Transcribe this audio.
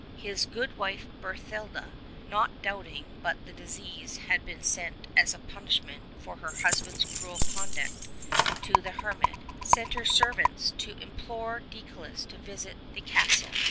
His good wife Berthilda, not doubting but the disease had been sent as a punishment for her husband's cruel conduct to the hermit, sent her servants to implore Deicolus to visit the castle.